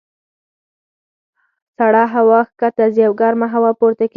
سړه هوا ښکته ځي او ګرمه هوا پورته کېږي.